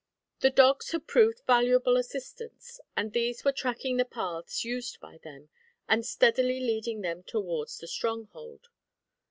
The dogs had proved valuable assistants, and these were tracking the paths used by them, and steadily leading them towards the stronghold.